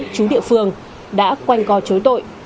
chú địa phương đã quanh co chối tội